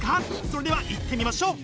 それではいってみましょう！